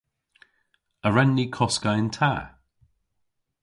A wren ni koska yn ta?